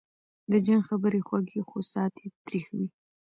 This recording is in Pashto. د جنګ خبري خوږې خو ساعت یې تریخ وي